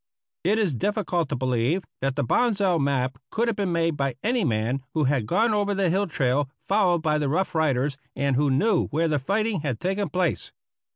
It is difficult to believe that the Bonsal map could have been made by any man who had gone over the hill trail followed by the Rough Riders and who knew where the fighting had taken place.